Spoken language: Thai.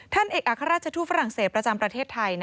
เอกอัครราชทูตฝรั่งเศสประจำประเทศไทย